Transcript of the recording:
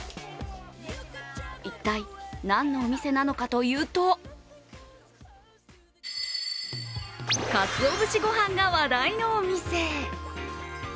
一体、何のお店なのかというとかつお節ごはんが話題のお店！